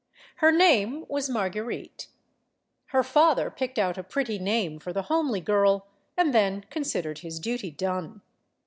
Her name was Marguerite. Her father picked out a pretty name for the homely girl and then considered his duty done.